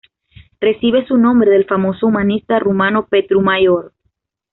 Recibe su nombre del famoso humanista rumano Petru Maior.